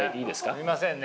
すみませんね。